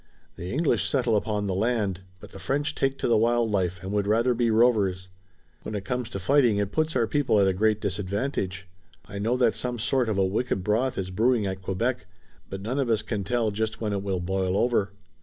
The English settle upon the land, but the French take to the wild life and would rather be rovers. When it comes to fighting it puts our people at a great disadvantage. I know that some sort of a wicked broth is brewing at Quebec, but none of us can tell just when it will boil over."